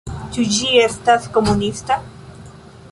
Ĉu ĝi estas komunista?